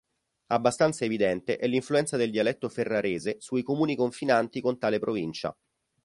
Abbastanza evidente è l'influenza del dialetto ferrarese sui comuni confinanti con tale provincia.